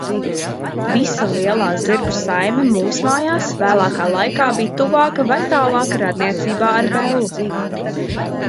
Visa lielā zirgu saime mūsmājās vēlākā laikā bija tuvākā vai tālākā radniecībā ar Bellu.